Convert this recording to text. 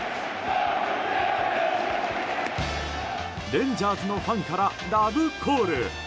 レンジャーズのファンからラブコール。